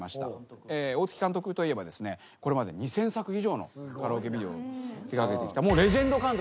大月監督といえばこれまで２，０００作以上のカラオケビデオを手掛けてきた。